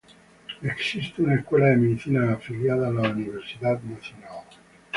Existe una escuela de medicina afiliada a la universidad nacional.